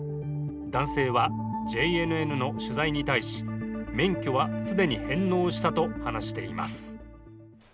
男性はＪＮＮの取材に対し、免許は既に返納したと話しています。